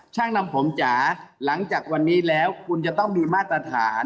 ช่างนำผมจ๋าหลังจากวันนี้แล้วคุณจะต้องมีมาตรฐาน